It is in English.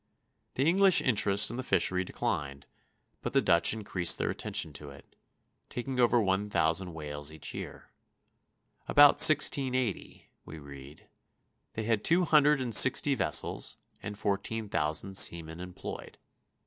The English interest in the fishery declined, but the Dutch increased their attention to it, taking over one thousand whales each year. "About 1680," we read, "they had two hundred and sixty vessels and fourteen thousand seamen employed.